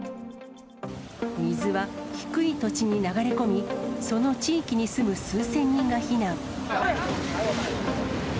水は低い土地に流れ込み、その地域に住む数千人が避難。